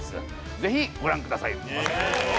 ぜひご覧くださいませ。